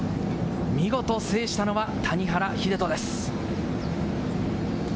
見事制したのは谷原秀人です。